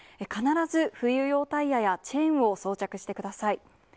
必ず冬用タイヤやチェーンを装着してください。